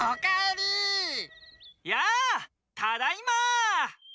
やあただいま！